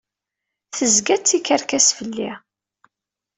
Tezga d tikerkas fell-i.